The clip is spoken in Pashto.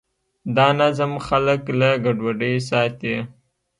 دا نظم خلک له ګډوډۍ ساتي.